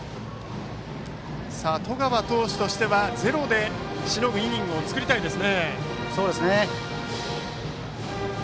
十川投手としてはゼロでしのぐイニングを作りたいです。